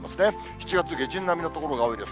７月下旬並みの所が多いです。